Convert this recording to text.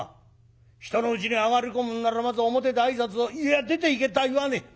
人のうちに上がり込むんならまず表で挨拶をいや出ていけとは言わねえ。